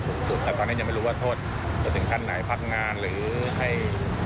เลยเบื้องการโทษมันยังไงบางที